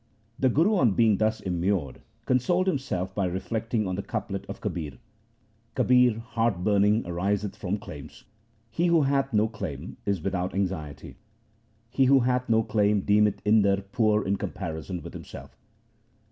The Guru on being thus immured consoled himself by reflecting on the couplet of Kabir :— Kabir, heart burning ariseth from claims, he who hath no claim is without anxiety. He who hath no claim deemeth Indar poor in comparison with himself.